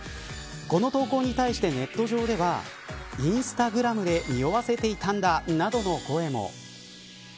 この投稿に対してネット上ではインスタグラムで匂わせていたんだなどの声も。